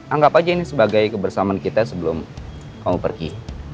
anggap aja ini sebagai kebersamaan kita sebelum kamu pergi